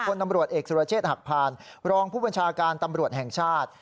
คนตำรวจเอกสุรเชษฐ์หักพานรองพบตรแห่งชาติ